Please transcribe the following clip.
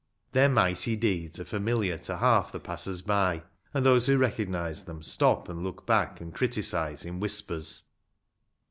Their mighty deeds are familiar to half the passers by, and those who recognize them stop and look back and criti cize in whispers.